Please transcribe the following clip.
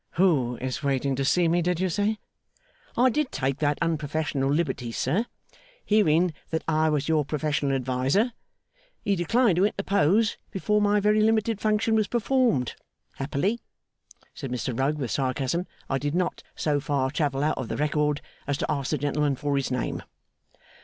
'Who is waiting to see me, did you say?' 'I did take that unprofessional liberty, sir. Hearing that I was your professional adviser, he declined to interpose before my very limited function was performed. Happily,' said Mr Rugg, with sarcasm, 'I did not so far travel out of the record as to ask the gentleman for his name.